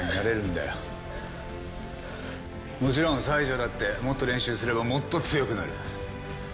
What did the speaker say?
もちろん西条だってもっと練習すればもっと強くなる。